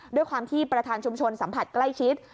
ด้วยความที่ประธานชุมชนสัมผัสใกล้ชิด